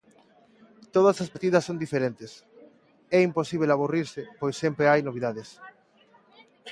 Todas as partidas son diferentes, é imposíbel aburrirse pois sempre hai novidades.